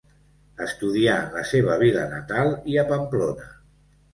Estudià en la seva vila natal i a Pamplona.